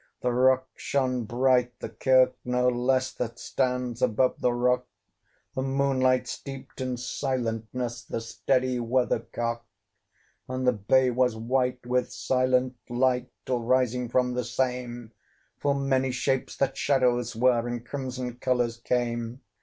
The rock shone bright, the kirk no less, That stands above the rock: The moonlight steeped in silentness The steady weathercock. And the bay was white with silent light, Till rising from the same, Full many shapes, that shadows were, In crimson colours came.